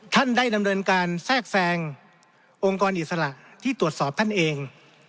ท่านได้ดำเนินการแทรกแทรงองค์กรอิสระที่ตรวจสอบท่านเอง